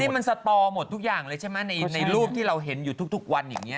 มันสตอหมดทุกอย่างเลยใช่ไหมในรูปที่เราเห็นอยู่ทุกวันอย่างนี้